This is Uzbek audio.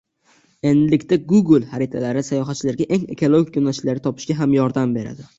Endilikda "Google" xaritalari sayohatchilarga eng ekologik yo‘nalishni topishga ham yordam beradi